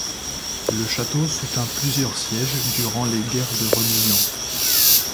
Le château soutint plusieurs sièges durant les guerres de religion.